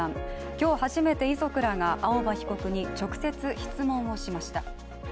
今日初めて遺族らが青葉被告に直接質問をしました。